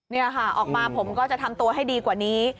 นี่ค่ะออกมาผมก็จะทำตัวให้ดีกว่านี้